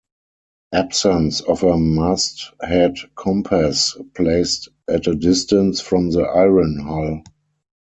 Absence of a mast head compass placed at a distance from the iron hull.